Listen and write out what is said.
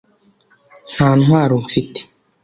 nta ntwaro mfite